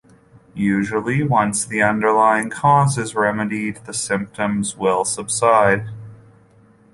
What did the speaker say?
Usually once the underlying cause is remedied, the symptoms will subside.